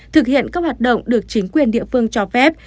thực hiện các hoạt động được chính quyền địa phương cho phép